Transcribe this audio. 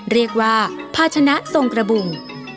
เรียกว่าภาชนะทรงกระบุง